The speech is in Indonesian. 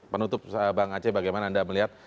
penutup bang aceh bagaimana anda melihat